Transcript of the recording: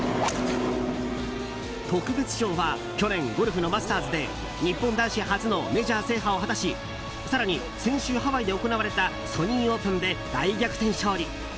特別賞は去年ゴルフのマスターズで日本男子初のメジャー制覇を果たし更に、先週ハワイで行われたソニーオープンで大逆転勝利。